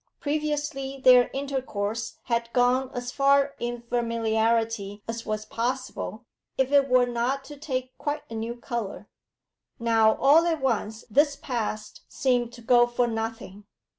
Previously their intercourse had gone as far in familiarity as was possible if it were not to take quite a new colour; now all at once this past seemed to go for nothing.